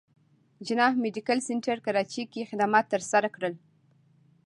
جناح ميډيکل سنټر کراچې کښې خدمات تر سره کړل